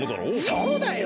そうだよ！